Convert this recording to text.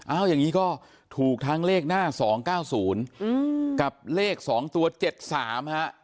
เอาอย่างนี้ก็ถูกทั้งเลขหน้า๒๙๐กับเลข๒ตัว๗๓ฮะ